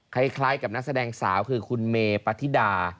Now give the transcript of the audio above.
คล้ายกับนักแสดงสาวคือคุณเมปฏิดา